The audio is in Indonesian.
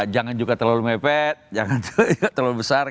jangan juga terlalu mepet jangan terlalu besar